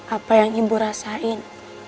apa yang ibu rasain